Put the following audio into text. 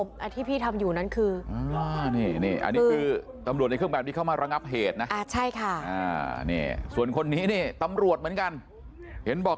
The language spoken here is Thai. แบบนี้ผมไม่รู้ว่าไอ้ฝรั่งจีนกันในช้อนเนี่ยอยู่โดยชอบเพื่อคนหลายหรือไม่พวกคุณทุกคนที่มาวันนี้ต้องรับผิดชอบ